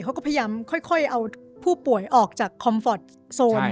เขาก็พยายามค่อยเอาผู้ป่วยออกจากคอมฟอร์ตโซน